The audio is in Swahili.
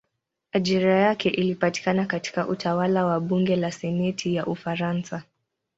Ajira yake ilipatikana katika utawala wa bunge la senati ya Ufaransa.